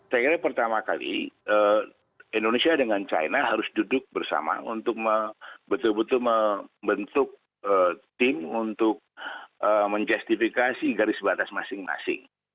saya kira pertama kali indonesia dengan china harus duduk bersama untuk betul betul membentuk tim untuk menjustifikasi garis batas masing masing